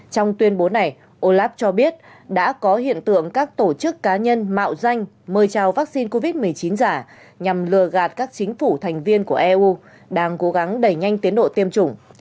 trong tuyên bố này olaf cho biết đã có hiện tượng các tổ chức cá nhân mạo danh mời chào vaccine covid một mươi chín giả nhằm lừa gạt các chính phủ thành viên của eu đang cố gắng đẩy nhanh tiến độ tiêm chủng